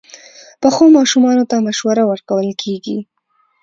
پخو ماشومانو ته مشوره ورکول کېږي